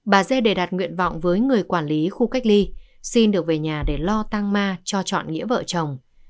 bà dê để đạt nguyện vọng với người quản lý khu cách ly xin được về nhà để lo tăng ma cho chọn nghĩa vợ chồng